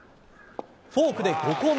フォークで５個目。